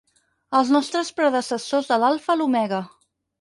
Els nostres predecessors de l'alfa a l'omega.